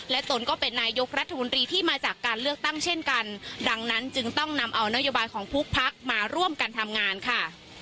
ตนก็เป็นนายกรัฐมนตรีที่มาจากการเลือกตั้งเช่นกันดังนั้นจึงต้องนำเอานโยบายของทุกพักมาร่วมกันทำงานค่ะ